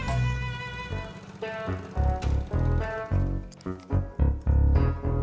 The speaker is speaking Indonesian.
iya bantu dorong